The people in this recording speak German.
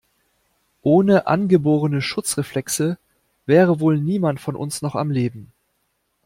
Ohne angeborene Schutzreflexe wäre wohl niemand von uns noch am Leben.